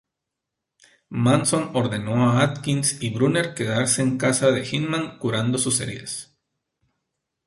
Manson ordenó a Atkins y Brunner quedarse en casa de Hinman curando sus heridas.